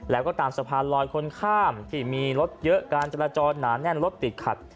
แล้วก็ตามสะพานลอยคนข้ามที่มีรถเยอะการจราจรหนาแน่นรถติดขัด